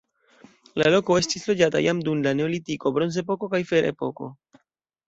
La loko estis loĝata jam dum la neolitiko, bronzepoko kaj ferepoko.